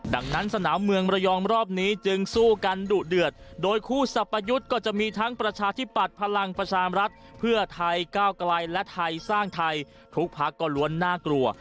ดังนั้นสนามเมืองระยองรอบนี้จึงสู้กันดุเดือดโดยคู่สรรพยุทธ์ก็จะมีทั้งประชาธิปัตย์พลังประชามรัฐเพื่อไทยก้าวไกลและไทยสร้างไทยทุกพักก็ล้วนน่ากลัว